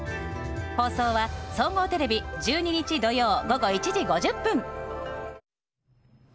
放送は総合テレビ１２日土曜午後１時５０分。